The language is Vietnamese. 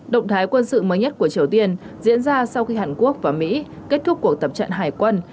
động thái quân sự mới nhất của triều tiên diễn ra sau khi hàn quốc và mỹ kết thúc cuộc tập trận hải quân